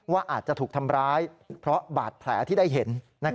ว่าอาจจะถูกทำร้ายเพราะบาดแผลที่ได้เห็น